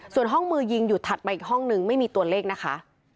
ส่วนห้องมือยิงอยู่ถัดมาอีกห้องนึงไม่มีตัวเลขนะคะ